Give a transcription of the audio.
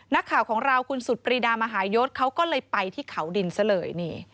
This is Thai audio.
นักข่าวของเราคุณสุดปรีดามหายศเขาก็เลยไปที่เขาดินซะเลยนี่